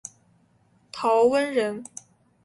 陶弼人。